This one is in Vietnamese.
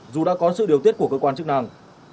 dù đã có sự điều tiết của cơ quan chức năng